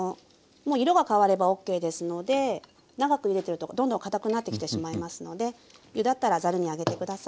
もう色が変わればオッケーですので長くゆでてるとどんどんかたくなってきてしまいますのでゆだったらざるにあげて下さい。